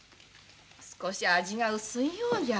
少し味が薄いようじゃ。